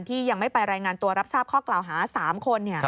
ที่ยังไม่ไปรายงานตัวรับทราบข้อกล่าวหา๓คน